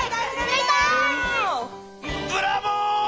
ブラボー！